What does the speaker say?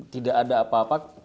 tidak ada apa apa